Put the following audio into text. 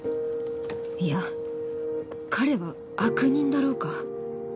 いや彼は悪人だろうか？